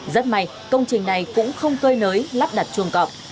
rất may công trình này cũng không cơi nới lắp đặt chuồng cọp